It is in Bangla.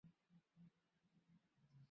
না, ও জড়িত নয়।